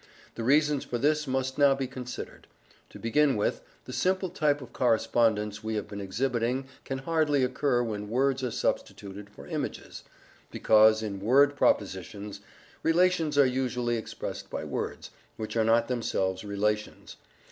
The reasons for this must now be considered. To begin with, the simple type of correspondence we have been exhibiting can hardly occur when words are substituted for images, because, in word propositions, relations are usually expressed by words, which are not themselves relations.